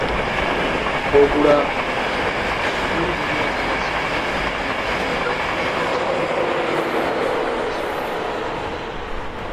School- Bogura জিলা school, Kurigram সরকারি উচ্চ বিদ্যালয়, বগুড়া বাংলা স্কুল।